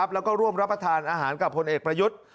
แล้วก็ร่วมรับประทานอาหารกับพลเอกประยุทธ์